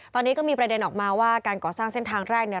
ตอนนี้ก็มีประเด็นออกมาว่าการก่อสร้างเส้นทางแรกเนี่ย